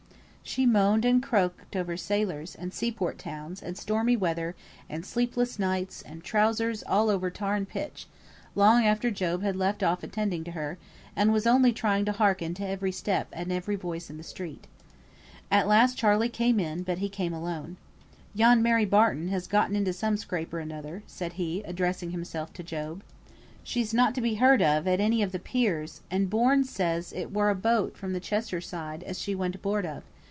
She moaned and croaked over sailors, and sea port towns, and stormy weather, and sleepless nights, and trousers all over tar and pitch, long after Job had left off attending to her, and was only trying to hearken to every step and every voice in the street. At last Charley came in, but he came alone. "Yon Mary Barton has getten into some scrape or another," said he, addressing himself to Job. "She's not to be heard of at any of the piers; and Bourne says it were a boat from the Cheshire side as she went aboard of.